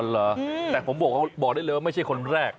เหรอแต่ผมบอกได้เลยว่าไม่ใช่คนแรก